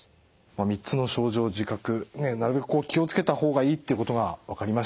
３つの症状を自覚なるべく気を付けた方がいいっていうことが分かりました。